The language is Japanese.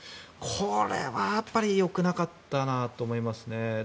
これはよくなかったなと思いますね。